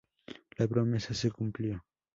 La promesa se cumplió.